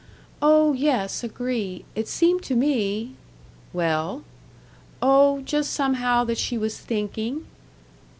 "Oh, yes, agree. It seemed to me " "Well?" "Oh, just somehow that she was thinking."